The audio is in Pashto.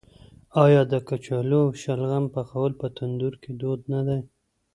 آیا د کچالو او شلغم پخول په تندور کې دود نه دی؟